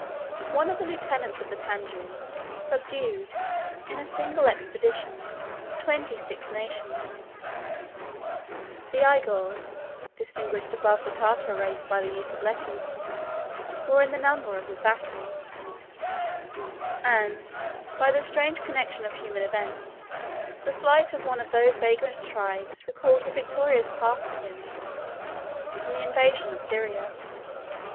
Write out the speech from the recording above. One of the lieutenants of the Tanjou subdued, in a single expedition, twenty six nations; the Igours, 29 distinguished above the Tartar race by the use of letters, were in the number of his vassals; and, by the strange connection of human events, the flight of one of those vagrant tribes recalled the victorious Parthians from the invasion of Syria.